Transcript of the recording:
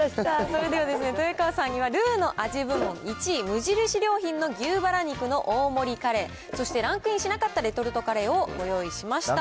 それでは豊川さんには、ルーの味部門１位、無印良品の牛ばら肉の大盛りカレー、そしてランクインしなかったレトルトカレーをご用意しました。